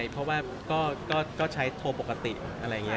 เพราะว่าก็ใช้โทรปกติ